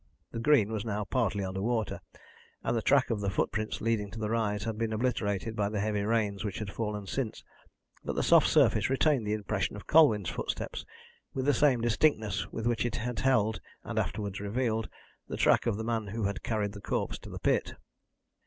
The green was now partly under water, and the track of the footprints leading to the rise had been obliterated by the heavy rains which had fallen since, but the soft surface retained the impression of Colwyn's footsteps with the same distinctness with which it had held, and afterwards revealed, the track of the man who had carried the corpse to the pit.